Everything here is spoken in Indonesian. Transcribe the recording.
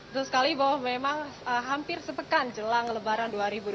tentu sekali bahwa memang hampir setekan jelang lebaran dua ribu dua puluh tiga